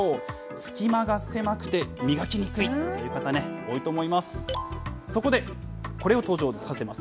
隙間が狭くて磨きにくい、そういう方ね、多いと思います。